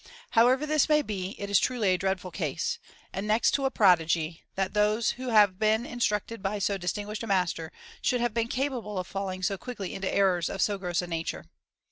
However this may be, it is truly a dreadful case, and next to a prodigy, that those who had been instructed by so dis tinguished a masier, should have been capable of falling so quickly^ into errors of so gross a nature.